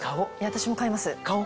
私も買います。